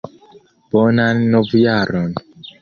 Bonan Novjaron!